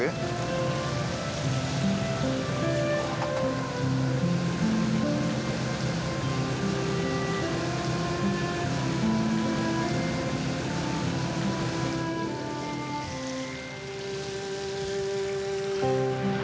biar aku lihat